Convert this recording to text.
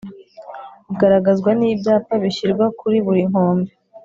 bugaragazwa nibyapa bishyirwa kuri buri nkombe